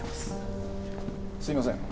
すみません。